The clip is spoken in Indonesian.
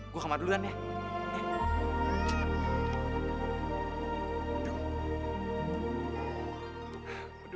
gue ke kamar duluan ya